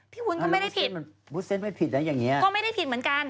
พี่วุ้นก็ไม่ได้ผิดก็ไม่ได้ผิดเหมือนกัน